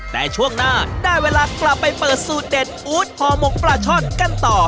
แต่ช่วงหน้าได้เวลากลับไปเปิดสูตรเด็ดอู๊ดห่อหมกปลาช่อนกันต่อ